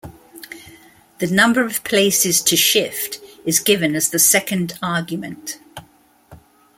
The number of places to shift is given as the second argument.